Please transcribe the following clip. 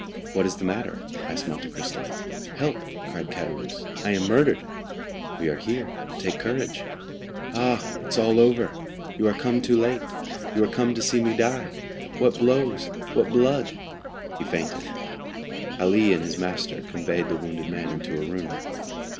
"What is the matter?" asked Monte Cristo. "Help," cried Caderousse; "I am murdered!" "We are here;—take courage." "Ah, it's all over! You are come too late—you are come to see me die. What blows, what blood!" He fainted. Ali and his master conveyed the wounded man into a room.